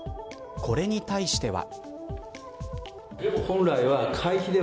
これに対しては。